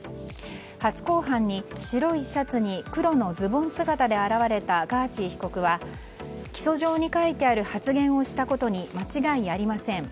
初公判に、白いシャツに黒のズボン姿で現れたガーシー被告は、起訴状に書いてある発言をしたことに間違いありません。